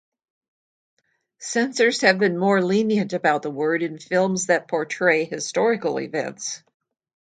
Censors have been more lenient about the word in films that portray historical events.